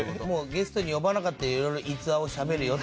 ゲストに呼ばなかったらいろいろ逸話をしゃべるよ。